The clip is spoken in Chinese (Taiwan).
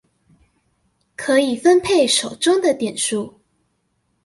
可以分配手中的點數